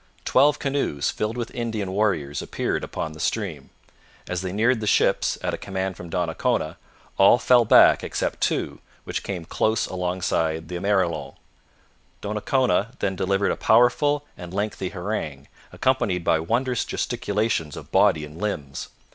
Twelve canoes filled with Indian warriors appeared upon the stream. As they neared the ships, at a command from Donnacona, all fell back except two, which came close alongside the Emerillon. Donnacona then delivered a powerful and lengthy harangue, accompanied by wondrous gesticulations of body and limbs.